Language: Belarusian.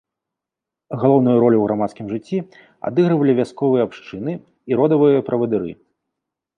Галоўную ролю ў грамадскім жыцці адыгрывалі вясковыя абшчыны і родавыя правадыры.